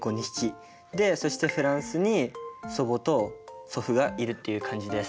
でそしてフランスに祖母と祖父がいるっていう感じです。